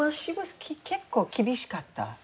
結構厳しかった。